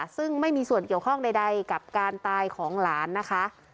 ซึ่งไม่มีส่วนเกี่ยวข้องใดกับการตายของหลานนะคะ